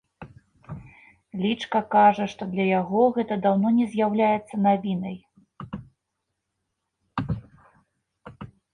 Лічка кажа, што для яго гэта даўно не з'яўляецца навіной.